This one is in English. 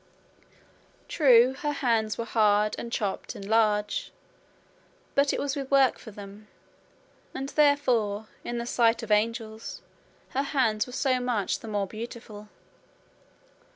True, her hands were hard and chapped and large, but it was with work for them; and therefore, in the sight of the angels, her hands were so much the more beautiful.